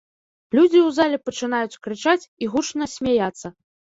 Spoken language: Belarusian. Людзі ў зале пачынаюць крычаць і гучна смяяцца.